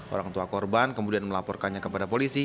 orang tua korban kemudian melaporkannya kepada polisi